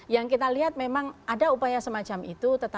yang kita lihat memang ada upaya semacam itu